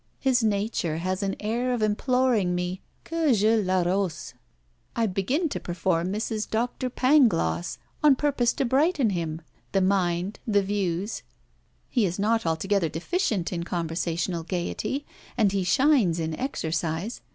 His nature has an air of imploring me que je d'arrose! I begin to perform Mrs. Dr. Pangloss on purpose to brighten him the mind, the views. He is not altogether deficient in conversational gaiety, and he shines in exercise.